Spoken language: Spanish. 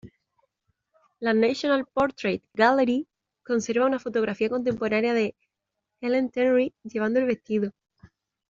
La National Portrait Gallery conserva una fotografía contemporánea de Ellen Terry llevando el vestido.